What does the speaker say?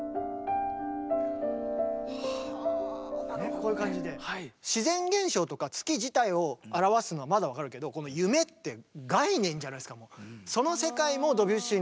こういう感じで自然現象とか月自体を表すのはまだ分かるけどこの「夢」って概念じゃないですかもう。